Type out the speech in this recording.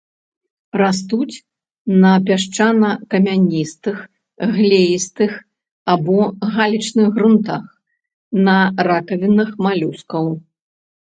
Растуць на пясчвна-камяністых, глеістых або галечных грунтах, на ракавінах малюскаў.